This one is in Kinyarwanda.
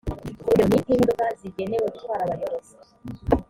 urugero ni nk imodoka zigenewe gutwara abayobozi